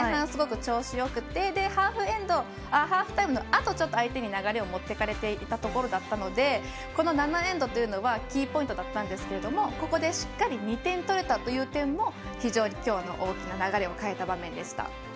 すごく調子がよくてハーフタイムのあと相手に流れを持っていかれていたところだったのでこの７エンドというのはキーポイントだったんですがここでしっかり２点取れた点も非常に今日大きく流れを変えた場面でした。